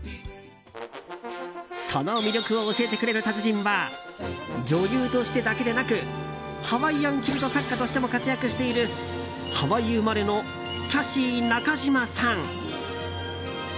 その魅力を教えてくれる達人は女優としてだけでなくハワイアンキルト作家としても活躍しているハワイ生まれのキャシー中島さん。